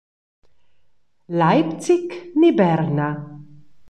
Leipzig ni Berna?